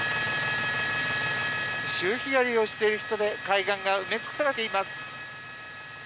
潮干狩りをしている人で海岸が埋め尽くされています。